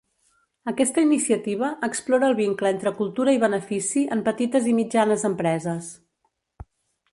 Aquesta iniciativa explora el vincle entre cultura i benefici en petites i mitjanes empreses.